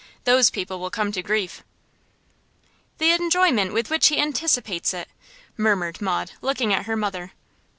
Those people will come to grief.' 'The enjoyment with which he anticipates it!' murmured Maud, looking at her mother.